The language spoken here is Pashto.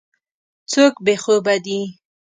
څوک بې خوبه دی.